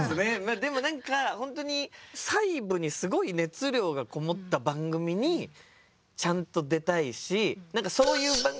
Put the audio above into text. でも何か本当に細部にすごい熱量がこもった番組にちゃんと出たいし何かそういう番組。